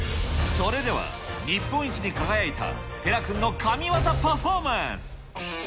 それでは日本一に輝いたてら君の神業パフォーマンス。